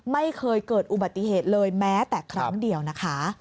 ไม่เคยเกิดอุบัติเหตุเลยแม้แต่ครั้งเดียวนะคะ